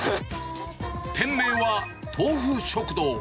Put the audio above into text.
店名は豆富食堂。